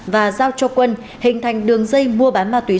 và giao cho quân hình thành đường dây mua bán ma túy